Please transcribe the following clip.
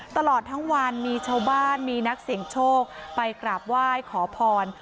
ตลอดทั้งวันมีชาวบ้านมีนักเสี่ยงโชคไปกราบไหว้ขอพร